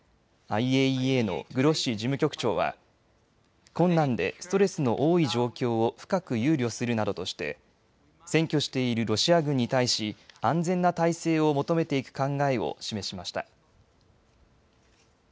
ＩＡＥＡのグロッシ事務局長は困難でストレスの多い状況を深く憂慮するなどとして占拠しているロシア軍に対し安全な態勢を求めていく考えを示しました。